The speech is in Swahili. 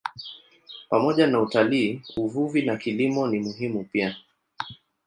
Pamoja na utalii, uvuvi na kilimo ni muhimu pia.